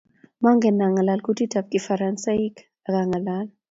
Mangen asoman kutitab kifaransaik ak angalal